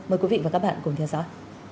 mời quý vị và các bạn cùng theo dõi